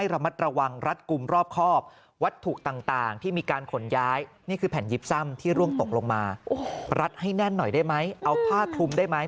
รัดให้แน่นหน่อยได้ไหมเอาผ้าทุ่มได้ไหม